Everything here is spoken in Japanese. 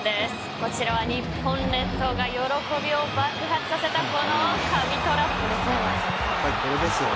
こちらは日本列島が喜びを爆発させたこれですよね。